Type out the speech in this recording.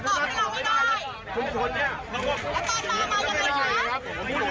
กลับที่นี่นะคะ